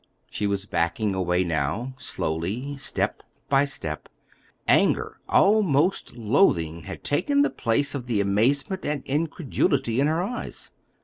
She was backing away now, slowly, step by step. Anger, almost loathing, had taken the place of the amazement and incredulity in her eyes.